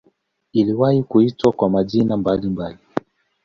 Iliwahi kuitwa kwa majina mbalimbali.